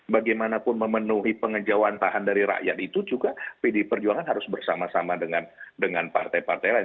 bagaimanapun memenuhi pengejauhan tahan dari rakyat itu juga pdi perjuangan harus bersama sama dengan partai partai lain